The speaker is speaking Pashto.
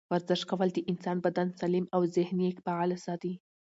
ورزش کول د انسان بدن سالم او ذهن یې فعاله ساتي.